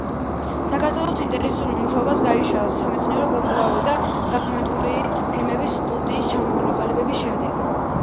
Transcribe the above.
საქართველოში ინტენსიური მუშაობა გაიშალა სამეცნიერო-პოპულარული და დოკუმენტური ფილმების სტუდიის ჩამოყალიბების შემდეგ.